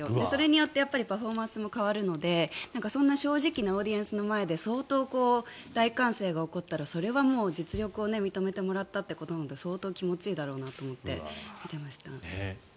それによってパフォーマンスも変わるのでそんな正直なオーディエンスの前で相当、大歓声が起こったらそれは実力を認めてもらったということなので相当気持ちいいだろうなと思って見ていました。